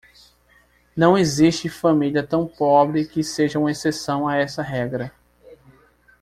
Não existe família tão pobre que seja uma exceção a essa regra.